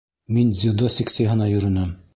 Мин дзюдо секцияһына йөрөнөм!